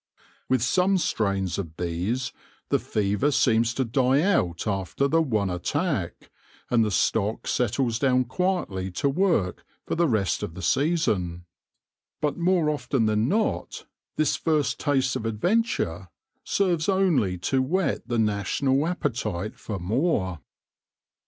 With some strains of bees the fever seems to die out after the one attack, and the stock settles down quietly to work for the rest of the season. But more often than not this first taste of adventure serves only to whet the national appetite for more.